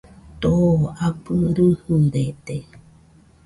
Too abɨ rɨjɨrede